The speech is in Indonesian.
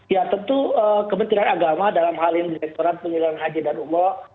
ya tentu kementerian agama dalam hal yang direkturan penyelidikan haji dan umroh